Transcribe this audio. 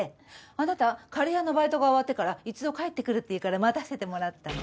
あなたカレー屋のバイトが終わってから一度帰ってくるっていうから待たせてもらったの。